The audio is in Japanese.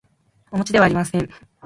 おもちではありません